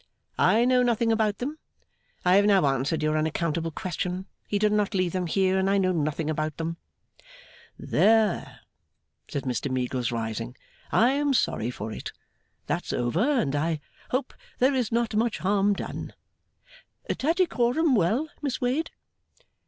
'I know nothing about them. I have now answered your unaccountable question. He did not leave them here, and I know nothing about them.' 'There!' said Mr Meagles rising. 'I am sorry for it; that's over; and I hope there is not much harm done. Tattycoram well, Miss Wade?